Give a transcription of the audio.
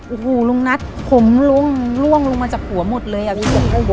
โอ้โหลุงนัทผมล่วงล่วงลงมาจากหัวหมดเลยอ่ะพี่